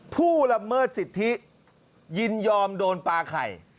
ผู้ละเมิดสิทธิลงค์ยินยอมโดนปลาไข่